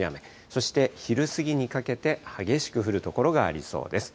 そして昼過ぎにかけて激しく降る所がありそうです。